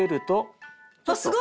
あっすごい！